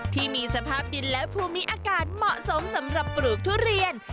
ที่มีสภาพดินและภูมิอากาศเหมาะสมสำหรับปลูกทุเรียน